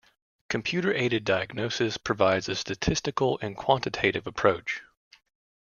Computer-aided diagnosis provides a statistical and quantitative approach.